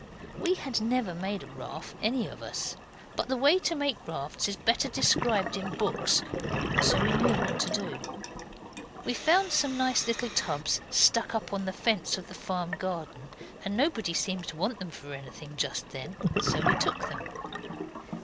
We had never made a raft, any of us, but the way to make rafts is better described in books, so we knew what to do. We found some nice little tubs stuck up on the fence of the farm garden, and nobody seemed to want them for anything just then, so we took them.